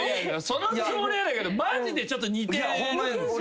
そのつもりはないけどマジでちょっと似てるんですよ。